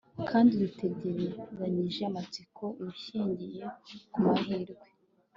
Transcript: kandi dutegerezanyije amatsiko ibishingiye ku mahirwe